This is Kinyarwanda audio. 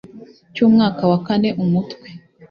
cy'umwaka wa kane Umutwe